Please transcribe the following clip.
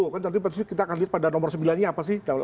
kan nanti kita akan lihat pada nomor sembilan nya apa sih